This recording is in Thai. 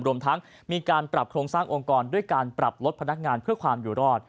รวมทั้งมีการปรับโครงสร้างองค์กรด้วยการปรับลดพนักงานเพื่อความอยู่รอด